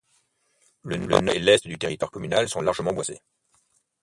Le nord et l'est du territoire communal sont largement boisés.